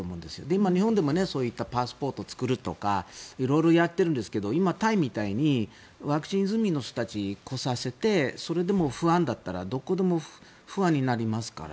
今、日本でもそういったパスポートを作るとか色々やっているんですが今、タイみたいにワクチン済みの人たちを来させてそれでも不安だったらどこでも不安になりますから。